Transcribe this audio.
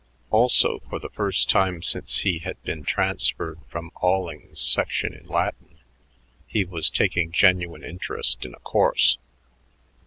Also, for the first time since he had been transferred from Alling's section in Latin, he was taking genuine interest in a course.